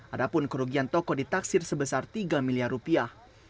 adapun kerugian toko ditaksir sebesar tiga miliar rupiah